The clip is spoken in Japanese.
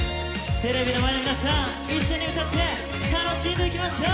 テレビの前の皆さん一緒に歌って楽しんでいきましょう！